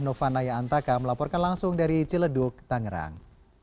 nova naya antaka melaporkan langsung dari ciledug tangerang